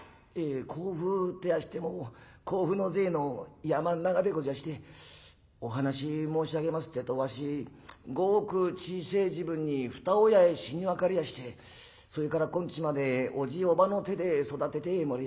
「え甲府っていいやしても甲府のぜえの山ん中でごぜえやしてお話申し上げますってえとわしごく小せえ時分に二親へ死に別れやしてそれから今日までおじおばの手で育ててもれえやした。